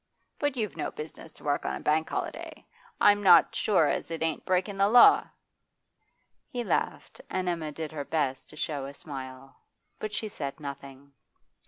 'But you've no business to work on a bank holiday. I'm not sure as it ain't breakin' the law.' He laughed, and Emma did her best to show a smile. But she said nothing.